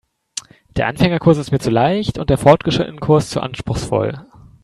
Der Anfängerkurs ist mir zu leicht und der Fortgeschrittenenkurs zu anspruchsvoll.